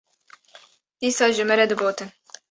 dîsa ji me re digotin